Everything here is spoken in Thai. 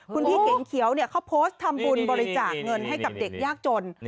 คุณพี่เก๋งเขียวเขาโพสต์ทำบุญบริจาคเงินให้กับเด็กยากจน